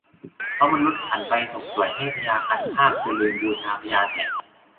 เพราะมนุษย์หันไปส่งส่วยให้พญาคันคากจนลืมบูชาพญาแถน